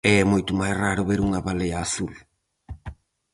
E é moito máis raro ver unha balea azul.